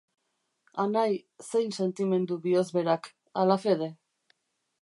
Anai, zein sentimendu bihozberak, alafede!